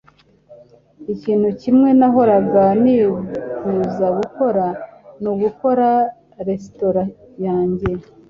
Ikintu kimwe nahoraga nifuza gukora ni ugukora resitora yanjye.